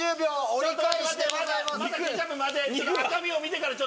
折り返しでございます。